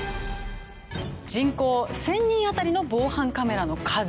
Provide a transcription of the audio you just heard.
人口１０００人当たりの防犯カメラの数。